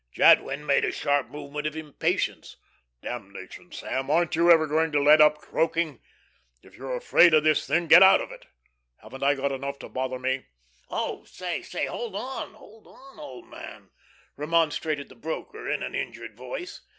Jadwin made a sharp movement of impatience. "Damnation, Sam, aren't you ever going to let up croaking? If you're afraid of this thing, get out of it. Haven't I got enough to bother me?" "Oh, say! Say, hold on, hold on, old man," remonstrated the broker, in an injured voice.